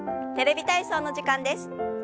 「テレビ体操」の時間です。